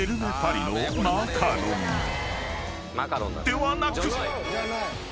［ではなく！］